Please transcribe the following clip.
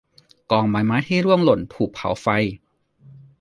กองใบไม้ที่ร่วงหล่นถูกเผาไฟ